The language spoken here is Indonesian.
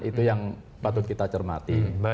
itu yang patut kita cermati